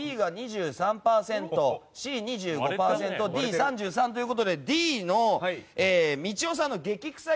Ａが１９％Ｂが２３％Ｃ２５％Ｄ３３ということでＤのみちおさんの激臭